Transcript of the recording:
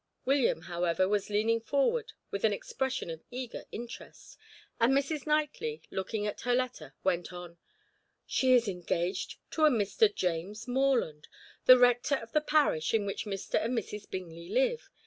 William, however, was leaning forward with an expression of eager interest, and Mrs. Knightley, looking at her letter, went on: "She is engaged to a Mr. James Morland, the rector of the parish in which Mr. and Mrs. Bingley live.